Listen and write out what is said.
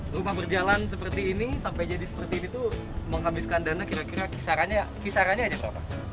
rumah berjalan seperti ini sampai jadi seperti ini menghabiskan dana kira kira kisarannya ada apa